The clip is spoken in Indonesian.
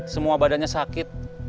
semua badannya sakit